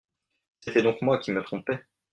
C’était donc moi qui me trompais !